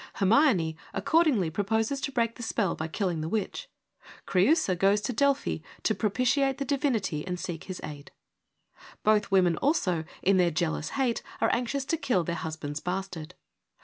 Hermione accordingly proposes to break the spell by killing the witch ; Creiisa goes to Delphi to propitiate the divinity and seek his aid. Both women, also, in their jealous hate are anxious to kill their husband's bastard.